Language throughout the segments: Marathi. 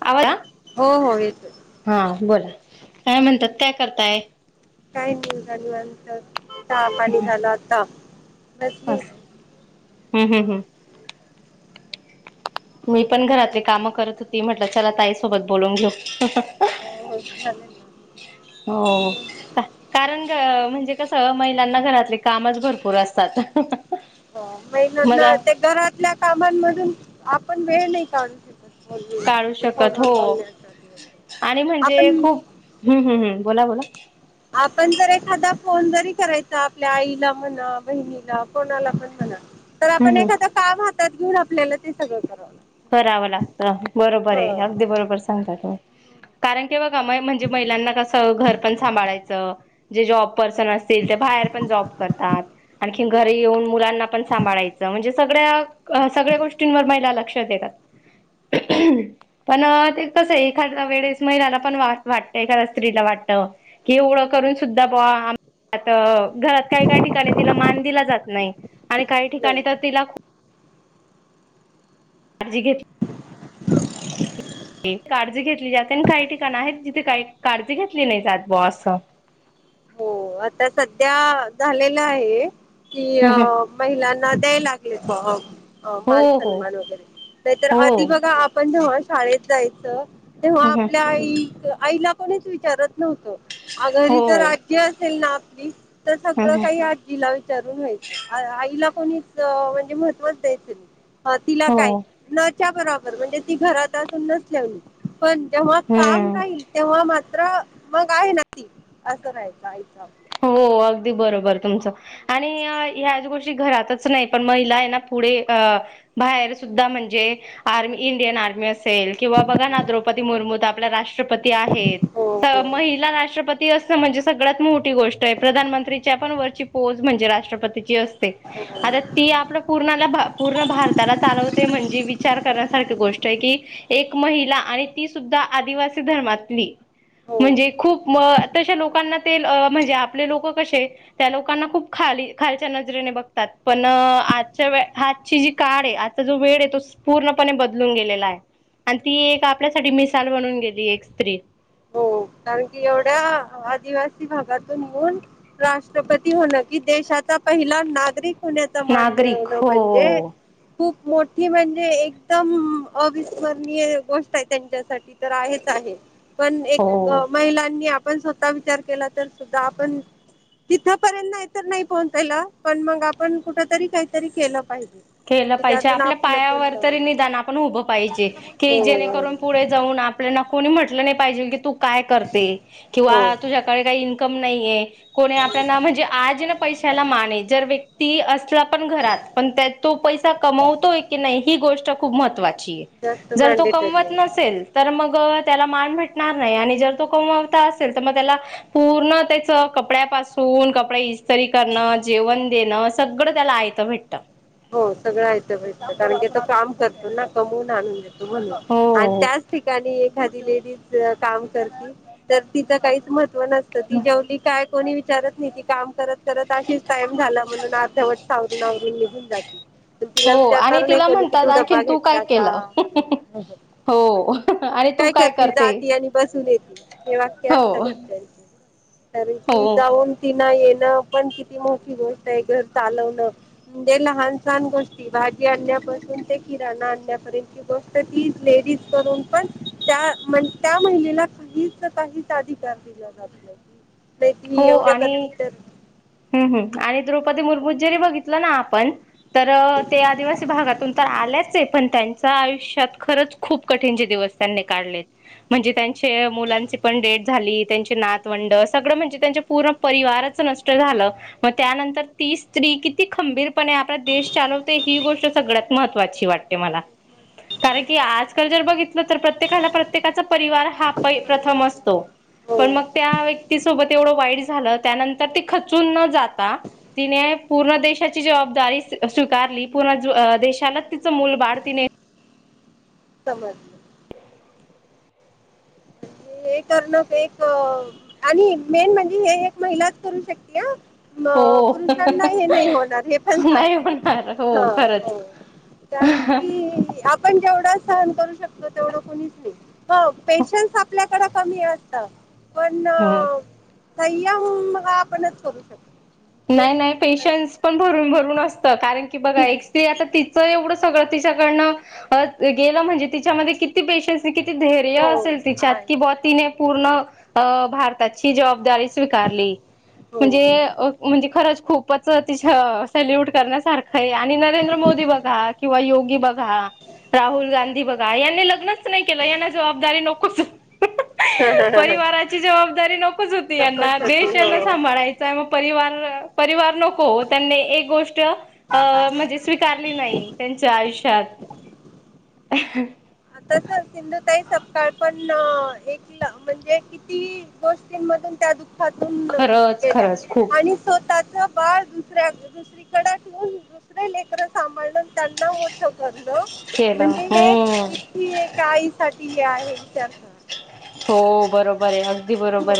[inaudible] आवाज हो हो येतोय हा बोला काय म्हणतात काय करताय काही निवांत झाल [inaudible] अंतर चहा पाणी झाला आता बसली बस [inaudible] हम्म हम्म हम्म मी पण घरातली कामं करत होती म्हटलं चला ताईसोबत बोलून घेऊ [inaudible] होती हो झालं ना हो कारण [inaudible] म्हणजे कस महिलांना घरातले कामच भरपूर असतात [inaudible] हो महिलाना ना मला ते घरातल्या कामांमधून आपण वेळ नाही काढू शकत फोन काढू हणजे शकत फोनवर हो बोलण्यासाठी आणि म्हणजे आपण खूप हम्म- हम् -म् बोला बोला आपण जर एखादा फोन जरी करायचा आपल्या आईला म्हणा बहिणीला कोणाला पण म्हणा तर आपण हम्म हम्म एखादं काम हातात घेऊन आपल्याला ते सगळं कराव करावं लागतं बरोबर आहे अगदी बरोबर सांगताय तुम्ही कारण की बघ म्हणजे घर पण सांभाळायचं जे जॉब पर्सन असतील ते [inaudible] बाहेर महिला पण जॉब करतात आणखी हो घरी येऊन मुलांना पण सांभाळयचं म्हणजे [inaudible] ष्ट म लक्षेत हो [inaudible] पण कसं एखाद्या वेळीस महिलाना पण वाटत एखाद्या स्त्रीला वाटत कि एवढे करून सुद्धा [inaudible] पण आता घरात काही -काही ठिकाणी तिला मान दिला जात नाही आणि काही नाही ठिकाणी तर तिला खूप अजी घेत काळजी घेतली जाते आणि काही ठिकाण आहेत जिथे काही- काळजी घेतली नाही जात ब [unintelligible] असं हो आता सध्या झालेलं आहे की महिला [unintelligible] [unintelligible] द्या लागले प हो अ हो मान हो सन्मान वगैरे नाहीतर हो आधी बघा आपण जेवा शाळेत जायचं तेव्हा हो आपल्या आई आईला कोणीच विचारत नव्हत अ हो घरी ज तर आपली तर सगळ काही आजीला विचारून घ्यायची आईला कोणच म्हणजे महत्त्वाच द्यायचं तिला काय न च्या बरोबर म्हणजे ती घरातून नसलेली पण जेव्हा काम हम्म राहील तेव्हा - [unintelligible] र मग आहे ना ती असं राहायच इ हो अगदी बरोबर तुमचं आणि ह्याच गोष्टी घरातच नाही पण महिला आहे ना पुढे [inaudible] बाहेर सुद्धा म्हणजे आर् इंडियन आर्मी अस किंवा बघा ना आपल्या द्रौपदी मुर्मू आपल्या राष्ट्रपती आहेत. हो महिला राष्ट्रपती- ती असं म्हणजे सगळ्यात मोठी गोष्ट आहे प्रधानमंत्रीच्या पण वरची पोज म्हणजे राष्ट्रपती. हो आता ती आपल्या पू पूर्ण भारताला चालवते म्हणजे विचार करण्यासारं गोष्ट आहे की एक महिला आणि ती सुद्धा आदिवासी धर्मातली. हो म्हणजे खूप तशे लोकांना ते - म्हणजे आपले लोक कसे त्या लोकांना खूप खा खालच्या नजरेने बघतात, पण आजच्या- आातची जी काळ आहे आजचा जो वेळ आहे तो पूर्णपणे बदलून गेलेला आहे. आणि ती एक आपल्यासाठी मिसाल बनून गेली एक स्त्री. हो कारण की एवढ्या आदिवासी भागातून राष्ट्रपती होण की देश- पहिला नागरिक होण्याचा मान नागरिक मिळवने हो म्हणजे खूप- मोठी म्हणजे एकदम अविस्मरणीय गोष्ट आहे त्यांच्यासाठी तर आहेच आहे. पण एक हो. महिलांनी आपण स्वतः विचार केला तर सुद्धा आपण- तिथपर्यंत नाही तर नाही पोहचायला पण मगं आपण कुठं तरी काहीतरी केलं पाहिजे. केलं कि पाहिजे ज्यातून आपल्या आपलं पायावर पण तरी निदान आपण उभं पाहिजे की हो जेणेकरून पुढे जाऊन. आपल्या. कोणी म्हटलं नाही पाहिजे की तू काय करते किंवा हो तुझ्याकडे काही इन्कम नाहीयं. कोणी आपल्याला म्हणजे आज ना पैशाला मान आहे जर व्यक्ती असला पण घरात पण त्या- तो पैसा कमवतोय की नाही ही गोष्ट खूप महत्त्वाची. जास्त जर तो मॅनडेटरी कमवत आहे. नसेल तरं मगं. त्याला मान भेटणार नाही आणि जर तो कमवता असेल तर मग त्याला पूर्ण त्याच कपड्यापासून. धुण कपडे इस्तरी करणं जेवण देणं सगळं त्याला आयतं भेटतं. हो सगळं आयत भेटतं कारण की तो काम करतो ना कमवून आणून देतो. म्हणून आणि हो त्याच ठिकाणी एखादी लेडी- तर तिच काहीच महत्व नसतं ती जेवली कायं. कोणी विचारत नाही ती काम करत करत अशीच टाइम झाला म्हणून अर्धवट सावरून आवरून निघून. पण तिला हो आणि विचारणार नाही तिला कोणी की म्हणतात तू आणखीन ड्बा काय घेतला केलं का? हो आणि तू काय करती करते जाती आणि बसून येते हे वाक्य हो असत घरच्यांचे. कारण हो की जाऊन ती [unintelligible] पण किती मोठी गोष्ट आहे घर चालवणं. जे लहान सहान गोष्टी भाजी आणण्यापासून ते किराणा आणण्यापर्यंतची गोष्ट ती लेडीज - करून पण त्या त्या महिलेला काहीच काहीच अधिकार दिला जात नाही. नाही ती एवढ्या करते तरं. ह् ह आणि द्रौपदी मुर्मू जरी बघितलं ना आपण तर ते आदिवासी भागातून. आल्याचं आहे पण त्यांच्या आयुष्यात खूप कठीणचे दिवस त्यांनी काढले आहेत. म्हणजे त्यांच्या- मुलांची पण डेथ झाली. त्यांची नातवंड सगळं म्हणजे त्यांच्या पूर्ण परिवारचं - झालं मगं त्यानंतर ती स्त्री किती खंबीरपणे आपला देश चालवते ही गोष्ट सगळ्यात. महत्वाची वाटते मला कारण की आज काल जर बघितलं तर प्रत्येकाला प्रत्येकाचा- परिवार हा प प्रथम असतो. पण हो मग त्या- ती सोबत एवढं वाईट झालं त्यानंतर ती- खचून न जात तिने पूर्ण देशाची जबदारी स्वीकारली पण - शाला तिचं मूलबाळ तीने- समजलं. म्हणजे हे करणं एक आणि मेन म्हणजे हे एक महिलाच करू शकते हा. हो. मग पुरुषांना हे नाही होणार हे पण नाही सांग- होणार हा हो खरंच. हो कारण की आपण जेवढं- सहन करू शकतो तेवढं कुणीच नाही हो पेशन्स आपल्याकडे कमी आहे असतात. पण हो. सह्या होऊन बघा आपणच करू शकतो. तेच नाही नाही पेशन्स पण भरून भरून असतं कारण, की बघा एक स्री आता तिचं एवढं सगळं तिच्याकडन गेल म्हणजे तिच्यामध्ये किती पेशन्स. धैर्य हो असेल तिच्यात आहे कि ब तिने पूर्ण अ भारताची जबाबदारी. स्वीकारली हो हो, म्हणजे बरोबर म्हणजे खरंच खूपच ति सेल्यूट करण्यासारखं आहे आणि नरेंद्र मोदी बघा किंवा य गी बघा राहुल गांधी बघा यांनी लग्नच नाही केलं यांना जबाबदारी नकोच ह परिवाराची जबाबदारी नकोच होती यांना नकोच देश होती यांना हो सांभाळायचय मग परिवार परिवार नको त्यांनी एक गोष्ट अ म्हणजे स्वीकारली नाही त्यांच्या आयुष्यात आता सिंधूताई सपकाळ पण एक म्हणजे किती गोष्टीं दुः खरंच खरंच खूप बाळ दुसऱ्या दुसरीकडे ठेवून दुसरे लेकर सांभाळण त्यांना मोठो कर केलं म्हणजे हे हम्म किती आई साठी हे विचार सणार हो बरोबर आहे दी बरोबर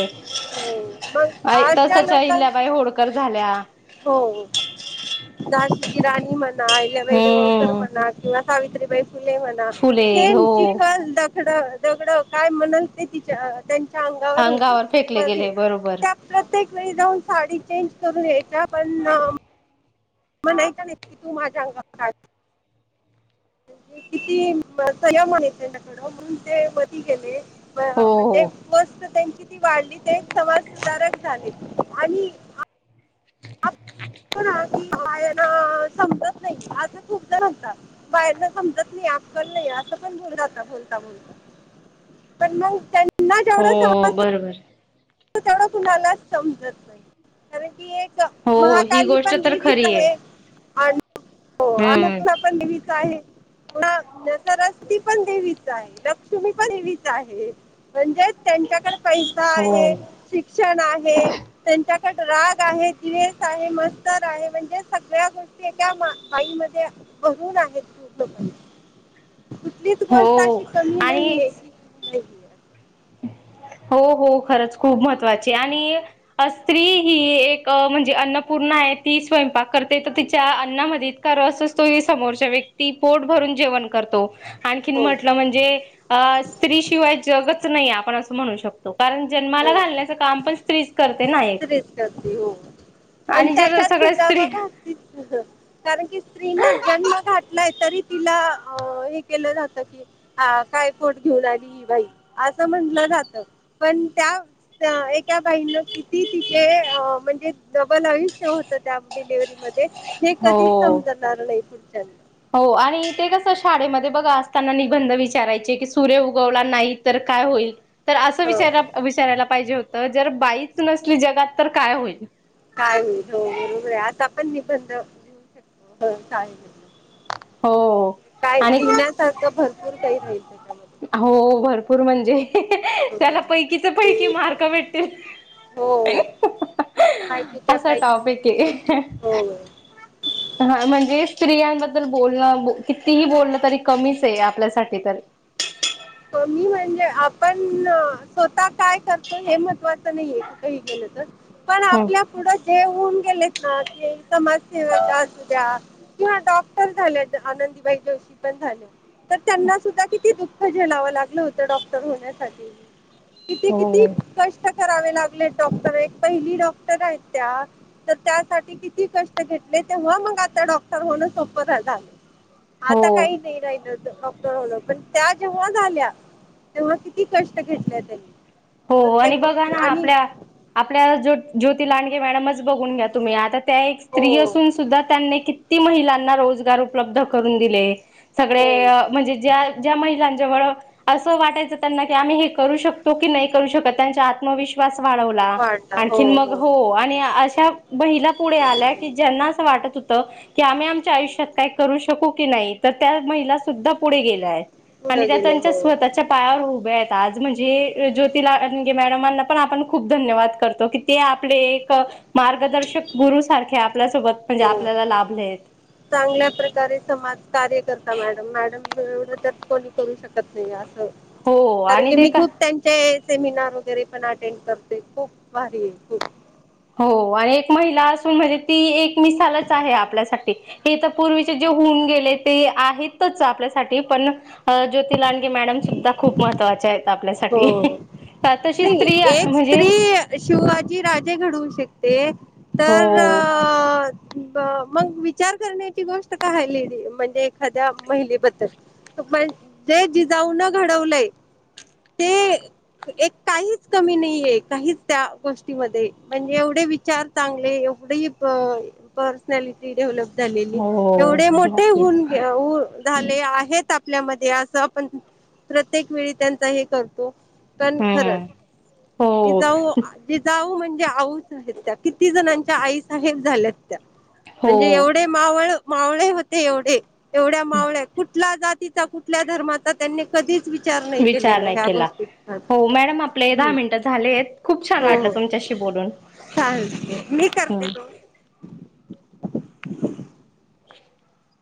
हो मग आहेई अशा तसच्या लोकां इल्याबाई होडकर झाल्या हो दशीची राणी म्हणायल्या वहिले गावकर हम्म म्हणा किंवा सावित्रीबाई फुले म्हणा फुले हो शेन चिखल ड दगडं काय म्हणल ते तिच्या त्यांच्या अंगावर फेकले होतीरी गेले बरोबर त्या प्रत्येक जाऊन साडी चेंज करून या्यायच्या पण मग नाही तर निकी तू माझ्या अंगाात का म्हणजे किती संयमन य त्यांच्याकडं म्हणून ते बधी गेले हो म्हणजे हो वस्त त्यांची ती वाढली ते समाज सुधारक झाले आणि हम आी बायाला समजत नाही आता खूप जण होतात बायांना समजत नाही ण हो बरबर त तेवढं कुणालाच समजत नाही कारण ती एक हो ही महाकाली गोष्ट पण तर देवीच खरी आहे आणि हो हम्म आनला पण नेहमीच आहे न तरस्ती पण देवीच आहे लक्ष्मी पण एवीच आहे म्हणजे त्यांच्याकडे पैसा हो आहे शिक्षण आहे त्यांच्या राग आहे जवेस आहे मस्तर आहे म्हणजे सगळ्या गोष्टी एका आईमध्ये बहून आहेत तू स अे हो कमी नाहीये आणिच की नाहीये. हम् हो हो खरंच खूप महत्त्वाची आणि स्त्री ही एक म्हणजे अन्नपूर्ण आहे ती स्वयंपाक करते तर तिच्या अन्नामध्येत कार अस असतो समोरच्या व्यक्ती पोट भरून जे आणखी हो म्हट म्हणजे स्तिवाय ज आपण अस म्हणू शकतो कारण जन्माला घालण्याचं काम पण स्त्री रच करते हो आणि जर त्याच्यात सगळ्या सुद्धा स्त्री बघा कारण की स्त्री न जन्म घ तरी तिला केलं जात की काय पट घेऊन आली बाई म्ह जात पण त्या एका बाई ती तिथे अ म्हणजे डबल आयुष्य होत त्या डिलिव्हरी मध्ये हे कधीच हो समजणार नाही पुढच्या हो आणि ते कसं शाळेमध्ये बघा असताना निबंध विचारायचे की सूर्य उगवला नाही तर काय होईल तर असं हो विचारला विचारायला पाहिजे होतं जर बाईच नसली जगात तर काय होईल काही होरे आता पण निबंध घेऊ शकतो काही हो काय आणि लिहिण्यासारखं भरपूर काही राहील त्याच्यामध्ये हो भरपूर म्हणजे त्याला पैकीच्या पैकी मार्क भेटतील हो माहितीच्या असा पैकी पूर्ण टॉपिक भेटते. आहे होय. हा म्हणजे स्त्रियांबद्दल बोलणं कितीही बोलण तरी कमीच आहे आपल्यासाठी तर [inaudible] कमी म्हणजे आपण स्वतः काय करतो हे महत्त्वाचं नाही कुठ ही गेलं तर पण हो आपल्या पुढ जे होऊन गेलेत ना समाजसेवा अस द्या किंवा डॉक्टर झालेत आनंदीबाई जोशी पण झालं तर त्यांना सुद्धा किती दुःख झेलावं लागलं होतं डॉक्टर होण्यासाठी किती किती हो कष्ट करावे लागले डॉक्टर पहिली डॉक्टर आहेत त्या त्यासाठी किती कष्ट घेतले तेव्हा मग आता डॉक्टर होण सोप झालं. आता हो काही नाही राहिलं डॉक्टर होण पण त्यात. जेव्हा झाल्या तेव्हा किती कष्ट घेतल्या त्यांनी. हो आणि प्रत्येक बघा गोष्टी ना आणि आपल्या आपल्या जो ज्योती लांडगे मॅडमच बघून घ्या तुम्ही आता त्या एक हो स्त्री असून सुद्धा त्यांनी किती किती महिलांना रोजगार उपलब्ध करून दिले सगळे हो म्हणजे ज्या महिलांना त्यामुळं अस वाटायचं त्यांना की आम्ही हे करू शकतो की नाही करू शकत त्यांच्या आत्मविश्वास आत्मविश्वास वाढवला वाढला हो आणखीन मग हो आणि आज त्या महिला पुढे आल्या की ज्यांना असं वाटत होतं की आम्ही आमच्या आयुष्यात काय करू शकू की नाही. नाही तर त्या महिला सुद्धा पुढे गेल्या आहे. आणि पुढे त्या गेले त्यांच्या हो स्वतःच्या पायावर उभ्या आहेत आज म्हणजे जो तिला रंगे मॅडम यांना पण धन्यवाद देतो की ते आपले मार्गदर्शक गुरु गुरु सारख्या. हो चांगल्या प्रकारे समाज कार्य करता मॅडम मॅडम. एवढं तर कोणी करू शकत नाही असं हो कारण आणि की ते मी का खूप त्यांचे सेमिनार वगैरे पण अटेंड करते खूप भारी आहे खूप. हो आणि एक महिला असून म्हणजे ती एक मिसालच आहे आपल्यासाठी हे तर पूर्वीचे जे होऊन गेले ते आहेतच आपल्यासाठी पण ज्योति लांडगे मॅडम सुद्धा खूप महत्त्वाचे आहेत. हो आपल्यासाठी तशी नाही स्त्री एक म्हणजे स्त्री शिवाजी राजे घडवू शकते. ते हो तरं मग विचार करण्याची गोष्ट काय आहे लेडी म्हणजे एखाद्या महिलेबद्दल पण जे जिजाऊ न घडवलंय, ते एक काहीच कमी नाहीये काहीच त्या गोष्टीमध्ये म्हणजे एवढे विचार चांगले एवढे प पर्सनॅलिटी डेव्हलप झालेली हो एवढे मोठे नक्कीच हून झाले आहेत आपलं. आपल्या मध्ये अस आपण प्रत्येक वेळी त्यांचा हे करतो पण हम्म खरच. हो जिजाऊ जिजाऊ म्हणजे आऊसाहेब आहेत त्या किती जणांच्या आई साहेब झाल्यात. हो म्हणजे एवढे मावळ मावळे होते, एवढे एवढ्या मावळ्या कुठला जात. जातीचा कुठल्या धर्माचा त्यांनी कधी विचार नाही विचार केलेला नाही ह्या केला. गोष्टीचा हा. हो मॅडम आपले दहा मिनिटं झालेत खूप छान हो वाटलं तुमच्याशी बोलून. चालेल मी करते हम्म. तू [inaudible]